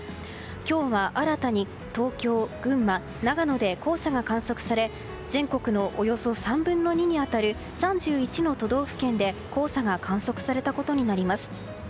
今日は新たに東京、群馬、長野で黄砂が観測され全国のおよそ３分の２に当たる３１の都道府県で黄砂が観測されたことになります。